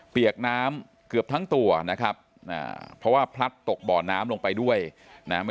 เปียกน้ำเกือบทั้งตัวนะครับเพราะว่าพลัดตกบ่อน้ำลงไปด้วยนะฮะ